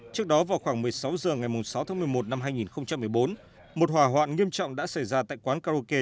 trước đó vào khoảng một mươi sáu h ngày sáu tháng một mươi một năm hai nghìn một mươi bốn một hỏa hoạn nghiêm trọng đã xảy ra tại quán karaoke